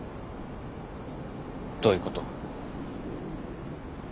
どういうこと？